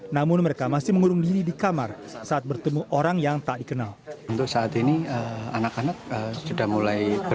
namun mereka masih mengurung diri di kamar saat bertemu orang yang tak dikenal